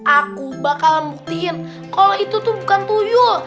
aku bakalan buktiin kalo itu tuh bukan tuyul